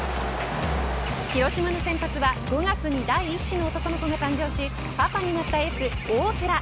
広島の先発は５月に第一子の男の子が誕生しパパになったエース、大瀬良。